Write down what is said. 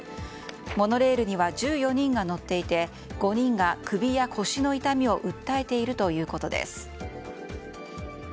モノレールには１４人が乗っていて５人が首や腰の痛みを訴えているということです。